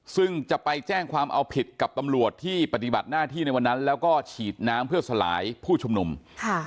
ซึ่งจะไปแจ้งความเอาผิดกับตำรวจที่ปฏิบัติหน้าที่ในวันนั้นแล้วก็ฉีดน้ำเพื่อสลายผู้ชุมนุมค่ะ